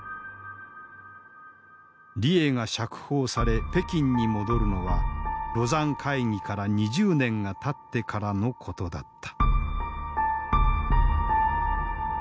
李鋭が釈放され北京に戻るのは廬山会議から２０年がたってからのことだった。